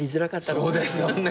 そうですよね。